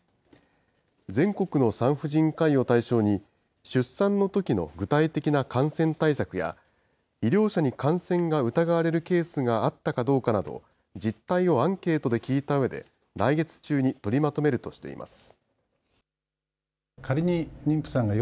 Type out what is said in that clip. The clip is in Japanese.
全国の産婦人科医を対象に、出産のときの具体的な感染対策や、医療者に感染が疑われるケースがあったかどうかなど、実態をアンケートで聞いたうえで、来月中に取りまとめるとしています。